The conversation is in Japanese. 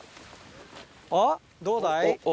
あっどうだい？